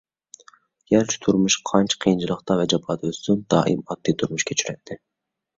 گەرچە تۇرمۇشى قانچە قىيىنچىلىقتا ۋە جاپادا ئۆتسۇن، دائىم ئاددىي تۇرمۇش كەچۈرەتتى.